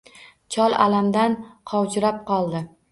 Chol alamdan qovjirab qoldi.